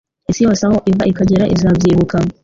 Isi yose aho iva ikagera izabyibuka